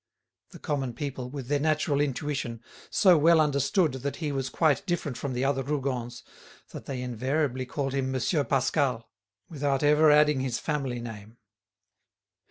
The common people, with their natural intuition, so well understood that he was quite different from the other Rougons, that they invariably called him Monsieur Pascal, without ever adding his family name.